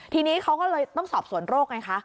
ทีนี้เขาก็เลยต้องสอบสวนโรคไงคะ